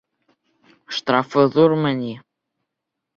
Штрафы ҙурмы ни?